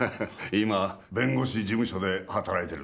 今弁護士事務所で働いてるんだって？